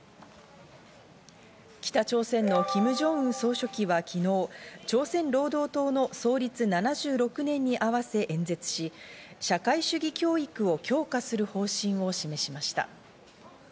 北朝鮮のキム・ジョンウン総書記は昨日、朝鮮労働党の創立７６年に合わせ演説し、社会主義教育を強化する方針を示しました。